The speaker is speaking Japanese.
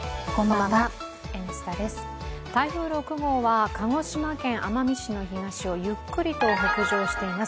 台風６号は鹿児島県奄美市の東をゆっくりと北上しています。